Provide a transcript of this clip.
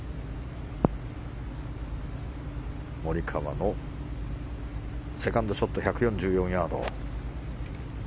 モリカワのセカンドショット１４４ヤード。